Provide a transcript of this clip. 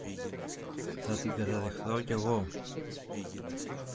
θα την καταδεχθώ κι εγώ.